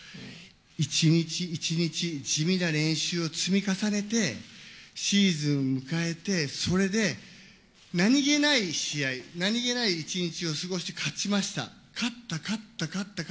一日一日、地味な練習を積み重ねて、シーズン迎えて、それで何気ない試合、何気ない一日を過ごして、勝ちました、勝った、勝った、勝った。